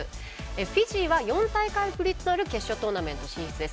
フィジーは４大会ぶりとなる決勝トーナメント進出です。